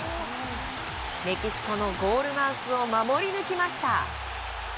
メキシコのゴールマウスを守り抜きました。